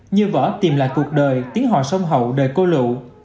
như vở tìm lại cuộc đời tiếng hòa sông hậu đời cô lụ